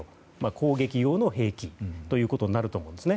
攻撃用の兵器ということになると思うんですね。